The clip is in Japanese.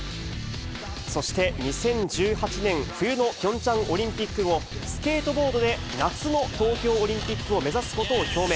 そして、２０１８年冬のピョンチャンオリンピック後、スケートボードで夏の東京オリンピックを目指すことを表明。